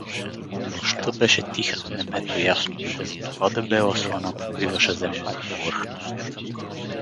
Нощта беше тиха, небето ясно, та затова дебела слана покриваше земната повърхност.